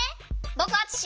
ぼくあつし。